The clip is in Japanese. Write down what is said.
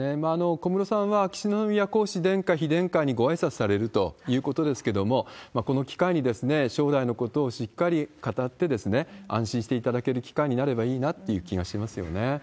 小室さんは秋篠宮皇嗣、妃殿下にごあいさつされるということですけれども、この機会に将来のことをしっかり語って、安心していただける機会になればいいなっていう気がしますよね。